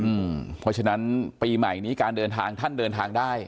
เพราะฉะนั้นปีใหม่นี้การเดินทางท่านเดินทางได้